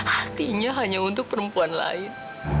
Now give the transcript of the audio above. artinya hanya untuk perempuan lain